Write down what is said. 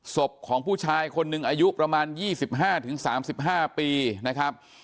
ศพของผู้ชายคนหนึ่งอายุประมาณยี่สิบห้าถึงสามสิบห้าปีนะครับ